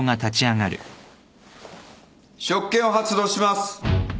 職権を発動します。